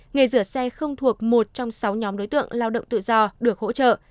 nghề rửa xe không thuộc một trong sáu nhóm đối tượng lao động tự do được hỗ trợ